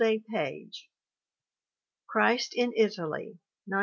Christ in Italy, 1911.